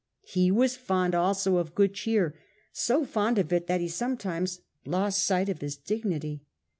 He was fond also of good cheer, so fond of it that he sometimes lost sight of his dignity.